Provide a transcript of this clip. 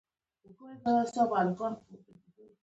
د مطلقیت پر وړاندې یې مبارزه کوله.